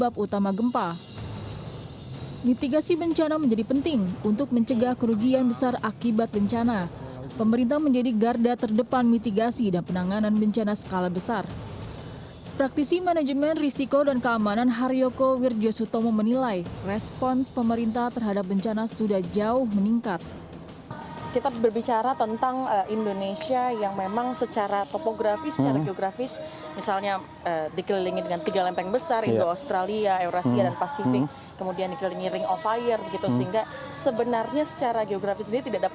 kemudian dikelilingi ring of fire sehingga sebenarnya secara geografis tidak dapat dihindari bencana itu ya pak